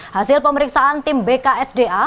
hasil pemeriksaan tim bksda